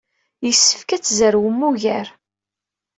Yessefk ad tzerwem ugar.